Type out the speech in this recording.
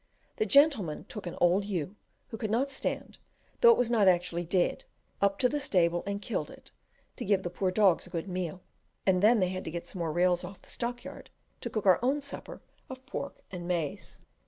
The gentlemen took an old ewe, who could not stand, though it was not actually dead, up to the stable and killed it, to give the poor dogs a good meal, and then they had to get some more rails off the stock yard to cook our own supper of pork and maize.